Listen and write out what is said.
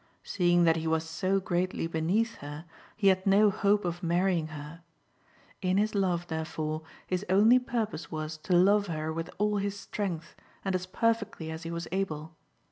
Seeing that he was so I4 THE HEPTAMERON. greatly beneath her, he had no hope of marrying her ; in his love, therefore, his only purpose was to love her with all his strength and as perfectly as he was able.